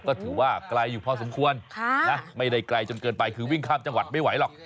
ก็ถือว่าไกลอยู่พอสมควรไม่ได้ไกลจนเกินไปคือวิ่งข้ามจังหวัดไม่ไหวหรอก